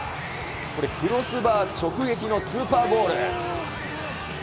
これ、クロスバー直撃のスーパーゴール。